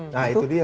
nah itu dia